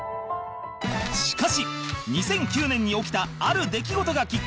しかし２００９年に起きたある出来事がきっかけで